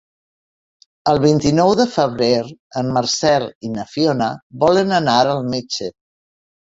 El vint-i-nou de febrer en Marcel i na Fiona volen anar al metge.